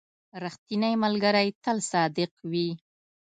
• ریښتینی ملګری تل صادق وي.